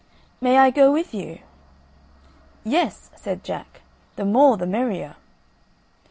"May I go with you?" "Yes," said Jack, "the more the merrier."